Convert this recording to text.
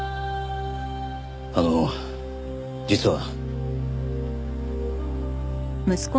あの実は。